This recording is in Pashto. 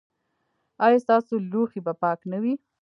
ایا ستاسو لوښي به پاک نه وي؟